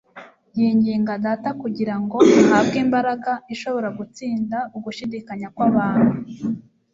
Yinginga Data kugira ngo ahabwe imbaraga ishobora gutsinda ugushidikanya kw'abantu,